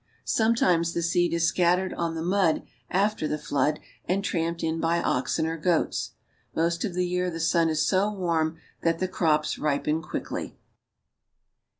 Sometimes the seed is scattered on the mud, after the floods, and tramped in by oxen or goats. Most of the year the sun is so warm that the crops ripen quickly.